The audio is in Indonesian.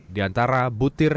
di antara butir